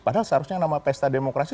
padahal seharusnya nama pesta demokrasi